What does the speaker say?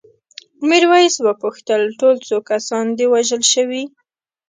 میرويس وپوښتل ټول څو کسان دي وژل شوي؟